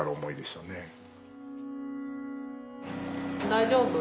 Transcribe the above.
大丈夫？